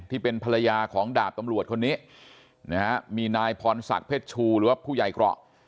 ที่เป็นภรรยาของดาบตำรวจคนนี้นะฮะมีนายพรศักดิ์เพชรชูหรือว่าผู้ใหญ่เกราะ